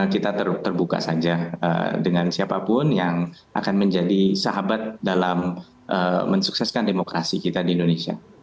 kita terbuka saja dengan siapapun yang akan menjadi sahabat dalam mensukseskan demokrasi kita di indonesia